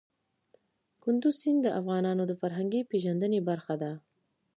کندز سیند د افغانانو د فرهنګي پیژندنې برخه ده.